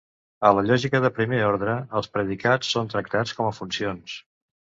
A la lògica de primer ordre, els predicats són tractats com a funcions.